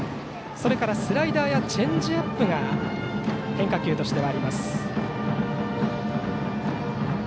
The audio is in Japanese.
それからスライダーやチェンジアップが変化球としてはあります。